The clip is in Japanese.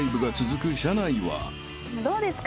どうですか？